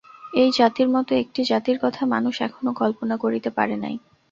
এই জাতির মত একটি জাতির কথা মানুষ এখনও কল্পনা করিতে পারে নাই।